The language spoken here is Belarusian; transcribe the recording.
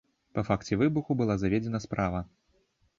Па факце выбуху была заведзена справа.